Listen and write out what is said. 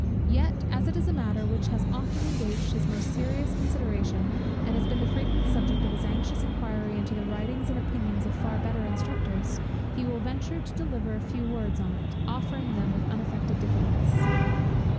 Yet, as it is a matter which has often engaged his most serious consideration, and has been the frequent subject of his anxious inquiry into the writings and opinions of far better instructors, he will venture to deliver a few words on it, offering them with unaffected diffidence.